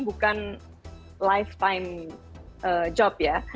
bukan pekerjaan hidup ya